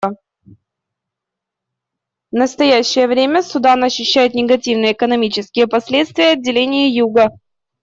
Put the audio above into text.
В настоящее время Судан ощущает негативные экономические последствия отделения Юга.